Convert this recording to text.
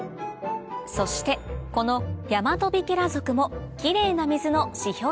そしてこのヤマトビケラ属もキレイな水の指標